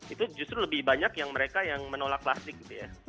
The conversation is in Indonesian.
itu justru lebih banyak yang mereka yang menolak plastik gitu ya